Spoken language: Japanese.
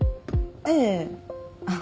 ええあっ